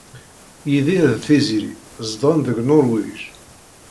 Yidir d Tiziri zedɣen deg Nuṛwij.